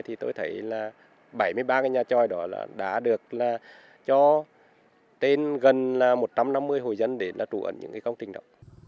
thì tôi thấy là bảy mươi ba cái nhà trôi đó đã được cho tên gần là một trăm năm mươi hồ dân để trụ ẩn những công ty đó